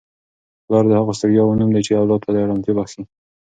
پلار د هغو ستړیاوو نوم دی چي اولاد ته ارامتیا بخښي.